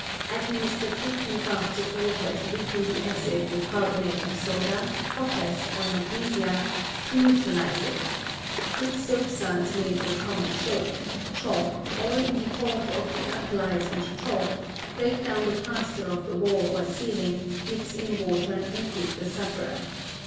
Administer frequent draughts of water to weaken the acid with carbonate of soda, potass, or magnesia, to neutralize it; thick soap suds made with common soap; chalk, or in default of the alkalies and chalk, break down the plaster of the wall or ceiling, mix in water, and give the sufferer.